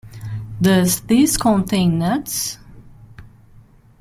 Does this contain nuts?